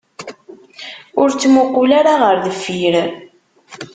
Ur ttmuqqul ara ɣer deffir.